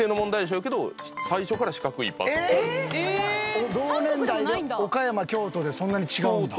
えっ⁉同年代で岡山京都でそんなに違うんだ。